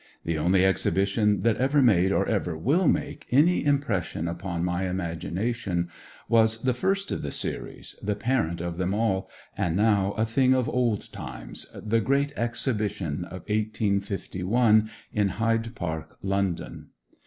The only exhibition that ever made, or ever will make, any impression upon my imagination was the first of the series, the parent of them all, and now a thing of old times—the Great Exhibition of 1851, in Hyde Park, London.